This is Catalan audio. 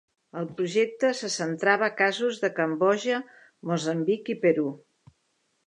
El projecte se centrava a casos de Cambodja, Moçambic i Perú.